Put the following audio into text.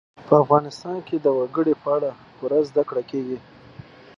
په افغانستان کې د وګړي په اړه پوره زده کړه کېږي.